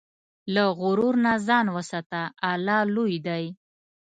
له غرور نه ځان وساته، الله لوی دی.